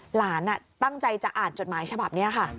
หลานตั้งใจจะอ่านจดหมายฉบับนี้ค่ะ